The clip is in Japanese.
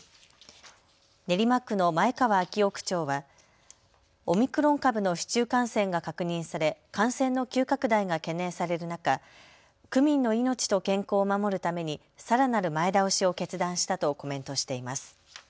練馬区の前川燿男区長はオミクロン株の市中感染が確認され感染の急拡大が懸念される中、区民の命と健康を守るためにさらなる前倒しを決断したとコメントしています。